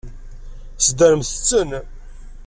Sdermet-ten.